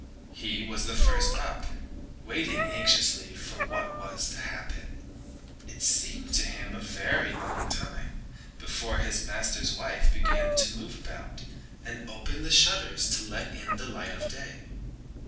He was the first up, waiting anxiously for what was to happen. It seemed to him a very long time before his master's wife began to move about and open the shutters to let in the light of day.